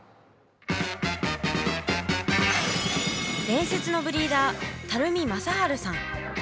伝説のブリーダー垂水政治さん。